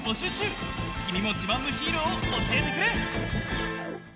きみもじまんのヒーローをおしえてくれ！